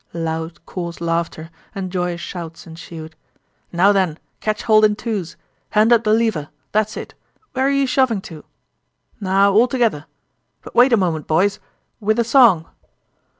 Loud, coarse laughter and joyous shouts ensued. "Now then, catch hold in twos! Hand up the lever! That's it.... Where are you shoving to?" "Now, all together! But wait a moment, boys... With a song!"